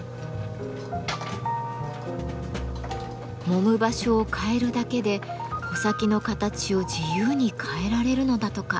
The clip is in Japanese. もむ場所を変えるだけで穂先の形を自由に変えられるのだとか。